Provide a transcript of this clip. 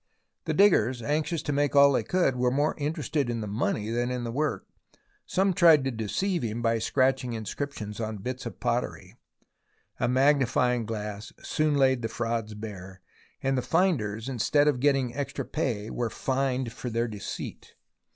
The diggers, anxious to make all they could, were more interested in the money than in the work. Some tried to deceive him by scratching inscriptions on bits of pottery. A magnifying glass soon laid the frauds 172 THE ROMANCE OF EXCAVATION bare, and the finders, instead of getting extra pay, were fined for their deceit.